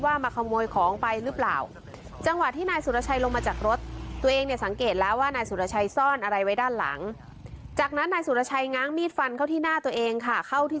ไว้ด้านหลังจากนั้นนายสุรชัยง้างมีดฟันเข้าที่หน้าตัวเองค่ะเข้าที่